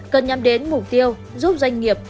cần nhằm đến mục tiêu giúp doanh nghiệp